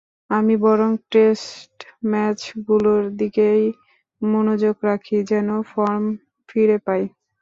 আমি বরং টেস্ট ম্যাচগুলোর দিকেই মনোযোগ রাখি, যেন ফর্ম ফিরে পাই।